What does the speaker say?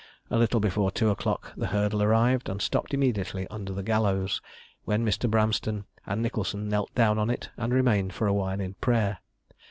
A little before two o'clock the hurdle arrived, and stopped immediately under the gallows, when Mr. Bramston and Nicholson knelt down on it, and remained for a while in prayer.